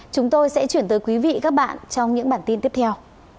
chúng tôi sẽ chuyển tới quý vị các bạn trong những bản tin tiếp theo